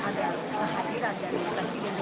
ada kehadiran dari presiden